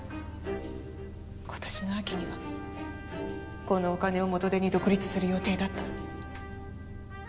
今年の秋にはこのお金を元手に独立する予定だった。